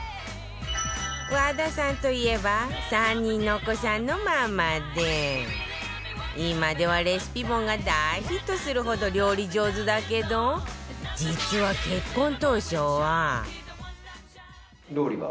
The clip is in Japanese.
和田さんといえば今ではレシピ本が大ヒットするほど料理上手だけど実は結婚当初は